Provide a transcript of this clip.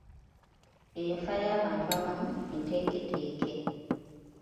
Enfa y'abantu abamu nteeketeeke.